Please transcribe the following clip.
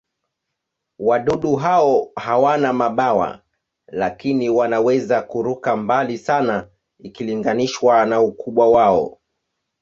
Wadudu hao hawana mabawa, lakini wanaweza kuruka mbali sana ikilinganishwa na ukubwa wao.